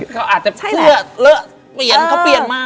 ก็อาจจะเลือดเลือดเปลี่ยนเขาเปลี่ยนมา